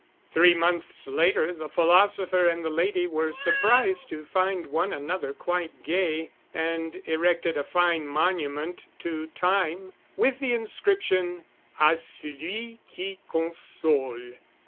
Three months later the philosopher and the lady were surprised to find one another quite gay, and erected a fine monument to Time with the inscription: A celui qui console.